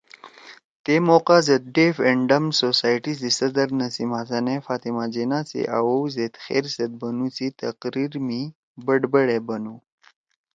تے موقع زید ڈیف اینڈ ڈمب سوسائٹی سی صدر نسیم حسن ئے فاطمہ جناح سی آوؤ زید خیر سیت بنُو سی تقریر می بڑبڑ ئے بنُو